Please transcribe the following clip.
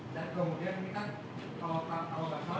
dan kemudian ini kan kalau tidak salah